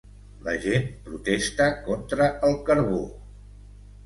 La gent protesta contra el carbó.